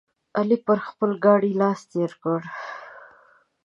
علي پر خپل ګاډي لاس راتېر کړ.